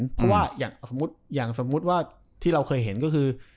เพราะว่าอย่างสมมุติอย่างสมมุติว่าที่เราเคยเห็นก็คือ